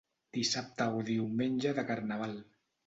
Dissabte o diumenge de Carnaval.